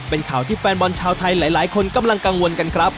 เป็นข่าวที่แฟนบอลชาวไทยหลายคนกำลังกังวลกันครับ